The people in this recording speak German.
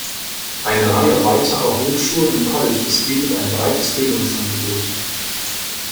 Eine Reihe weiterer Hochschulen und Colleges bieten ein breites Bildungsangebot.